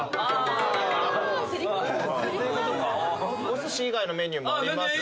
おすし以外のメニューもあります？